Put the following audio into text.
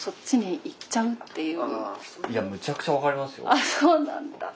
あっそうなんだ。